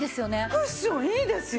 クッションいいですよ。